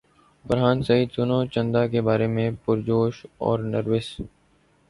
فرحان سعید سنو چندا کے بارے میں پرجوش اور نروس